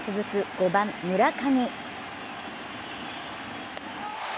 ５番・村上。